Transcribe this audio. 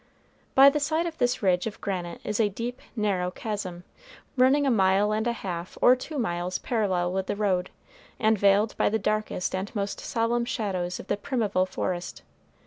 By the side of this ridge of granite is a deep, narrow chasm, running a mile and a half or two miles parallel with the road, and veiled by the darkest and most solemn shadows of the primeval forest.